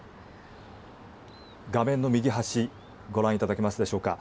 画面の右端ご覧いただけますでしょうか。